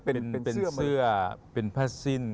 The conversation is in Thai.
เป็นเสื้อเป็นผ้าสิ้น